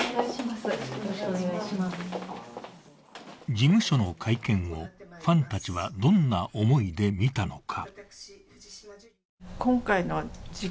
事務所の会見をファンたちはどんな思いで見たのか。